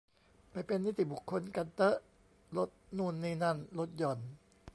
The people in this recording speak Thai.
ไปเป็นนิติบุคคลกันเต๊อะ ลดนู่นนี่นั่น ลดหย่อน